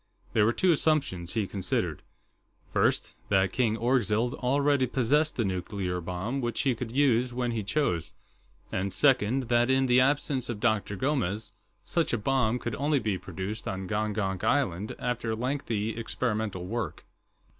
There were two assumptions, he considered: first, that King Orgzild already possessed a nuclear bomb which he could use when he chose, and, second, that in the absence of Dr. Gomes, such a bomb could only be produced on Gongonk Island after lengthy experimental work.